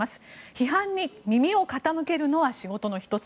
批判に耳を傾けるのは仕事の１つ。